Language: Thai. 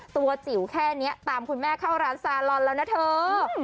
ตัวจิ๋วแค่นี้ตามคุณแม่เข้าร้านซาลอนแล้วนะเธอ